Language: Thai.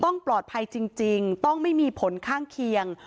ต้องปลอดภัยจริงต้องไม่มีผลข้างเคียง